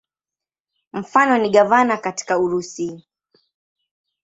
Mfano ni gavana katika Urusi.